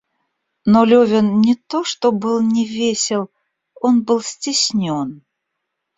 Но Левин не то что был не весел, он был стеснен.